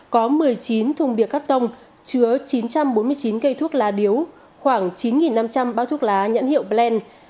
có một mươi chín thùng bia cắt tông chứa chín trăm bốn mươi chín cây thuốc lá điếu khoảng chín năm trăm linh bao thuốc lá nhãn hiệu blan